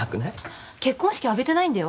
結婚式挙げてないんだよ